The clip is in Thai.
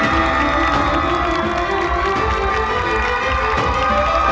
สวัสดีครับสวัสดีครับ